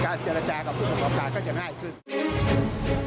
เจรจากับผู้ประกอบการก็จะง่ายขึ้น